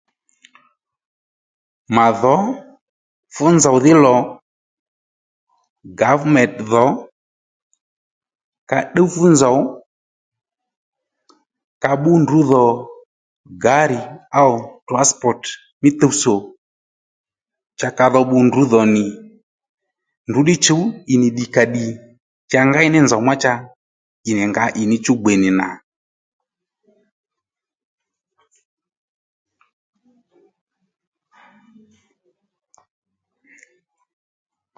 Màdhǒ fú nzòw dhí lò gavment dho ka ddúw fú nzòw ka bbú ndrǔ dhò garì áw transpot mí tuwtsò cha kadho bbu ndrǔ dhò nì ndrǔ dddí chǔw ì nì ddì kà ddì cha ngéy ní nzòw ma cha ì nì ngǎ ì ní chú gbe nì nà